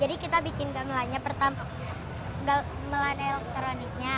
jadi kita bikin gamelannya pertama gamelan elektroniknya